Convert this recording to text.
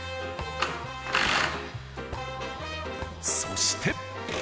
そして。